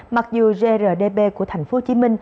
mặc dù grdb của tp hcm